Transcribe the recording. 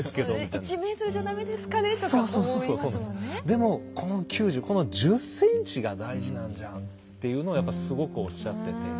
でもこの９０この１０ｃｍが大事なんじゃんっていうのはやっぱすごくおっしゃってて。